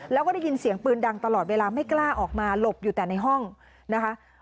แล้วก็ได้ยินเสียงปืนดังตลอดเวลาไม่กล้าออกมาหลบอยู่แต่ในห้องนะคะ